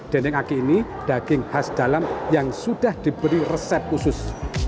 dendeng aki ini daging khas dalam yang sudah diberi resep khusus